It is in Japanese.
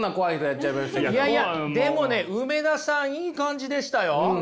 いやいやでもね梅田さんいい感じでしたよ。